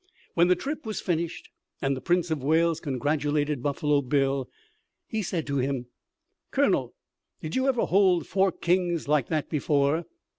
When the trip was finished and the Prince of Wales congratulated Buffalo Bill, he said to him: "Colonel, did you ever hold four kings like that before?"